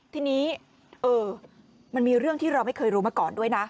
ทีนี้มันมีเรื่องที่เราไม่เคยรู้มาก่อนด้วยนะ